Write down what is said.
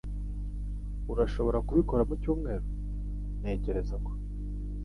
"Urashobora kubikora mu cyumweru?" "Ntekereza ko."